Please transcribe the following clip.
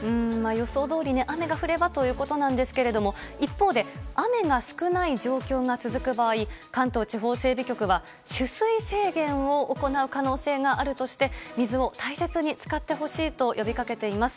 予想どおりに雨が降ればということですが一方で雨が少ない状況が続く場合関東地方整備局は取水制限を行う可能性があるとして水を大切に使ってほしいと呼びかけています。